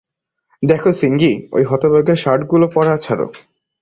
দেখ সিঙ্গি, ঐ হতভাগা শার্টগুলো পরা ছাড়।